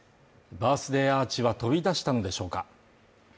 バースデーアーチは飛び出したのでしょうか？